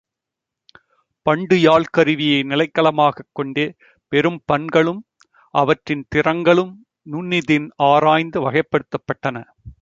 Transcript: பண்டு யாழ்க் கருவியை நிலைக்களமாகக் கொண்டே பெரும் பண்களும் அவற்றின் திறங்களும் நுண்ணிதின் ஆராய்ந்து வகைப்படுத்தப்பட்டன.